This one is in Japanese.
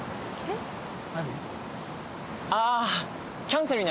何？